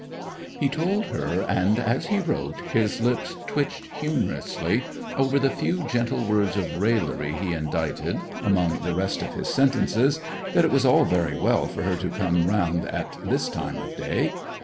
He told her—and as he wrote his lips twitched humorously over the few gentle words of raillery he indited among the rest of his sentences—that it was all very well for her to come round at this time of day.